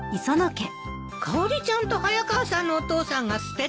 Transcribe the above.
かおりちゃんと早川さんのお父さんがステテコを！？